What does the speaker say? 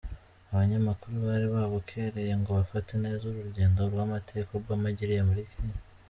Abanyamakuru bari babukereye ngo bafate neza uru rugendo rw'amateka Obama agiriye muri Kenya.